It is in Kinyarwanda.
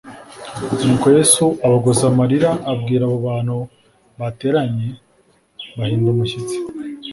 Nuko, Yesu abogoza amarira abwira abo bantu bateranye bahinda umushyitsi,